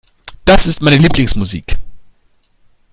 Das ist meine Lieblingsmusik.